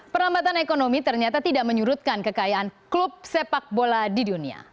perlambatan ekonomi ternyata tidak menyurutkan kekayaan klub sepak bola di dunia